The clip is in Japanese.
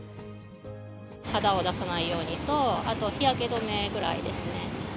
肌を出さないようにと、あと日焼け止めぐらいですね。